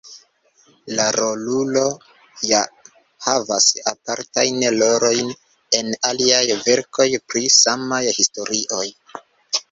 La rolulo ja havas apartajn rolojn en aliaj verkoj pri samaj historioj.